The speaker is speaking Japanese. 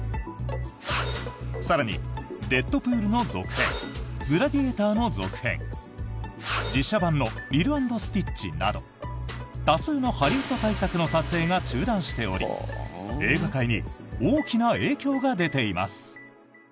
更に、「デッドプール」の続編「グラディエーター」の続編実写版の「リロ＆スティッチ」など多数のハリウッド大作の撮影が中断しており映画界に大きな影響が出ています。